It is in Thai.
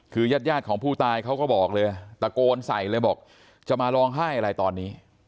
คือญาติของผู้ตายเขาก็บอกเลยตะโกนใส่เลยบอกจะมาร้องไห้อะไรตอนนี้